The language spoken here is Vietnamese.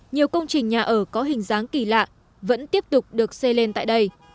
nhiều công trình nhà ở có hình dáng kỳ lạ vẫn tiếp tục được xây lên tại đây